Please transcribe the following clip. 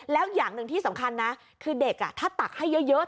แล้วอย่างหนึ่งที่สำคัญนะคือเด็กถ้าตักให้เยอะ